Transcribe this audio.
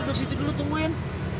lo duduk situ dulu tungguin